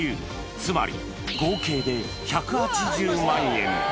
つまり、合計で１８０万円。